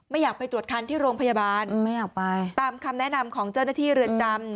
อยากไปตรวจคันที่โรงพยาบาลไม่อยากไปตามคำแนะนำของเจ้าหน้าที่เรือนจำ